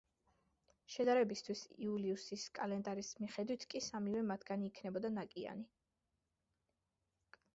შედარებისთვის, იულიუსის კალენდარის მიხედვით კი სამივე მათგანი იქნებოდა ნაკიანი.